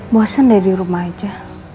bosan deh di rumah aja